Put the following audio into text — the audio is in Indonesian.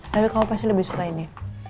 tapi kamu pasti lebih suka ini